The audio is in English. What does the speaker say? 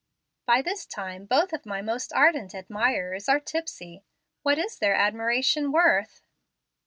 By this time both of my most ardent admirers are tipsy. What is their admiration worth?"